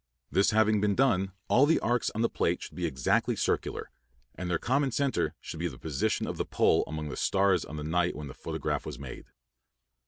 This having been done, all the arcs on the plate should be exactly circular, and their common centre should be the position of the pole among the stars on the night when the photograph was made.